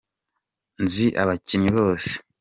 nzi abakinnyi bose.